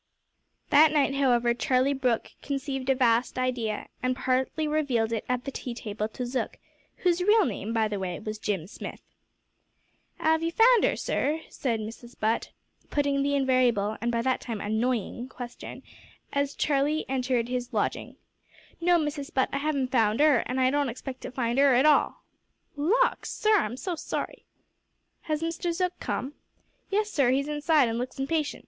That night however, Charlie Brooke conceived a vast idea, and partially revealed it at the tea table to Zook whose real name, by the way, was Jim Smith. "'Ave you found 'er, sir?" said Mrs Butt, putting the invariable, and by that time annoying, question as Charlie entered his lodging. "No, Mrs Butt, I haven't found 'er, and I don't expect to find 'er at all." "Lawk! sir, I'm so sorry." "Has Mr Zook come?" "Yes, sir 'e's inside and looks impatient.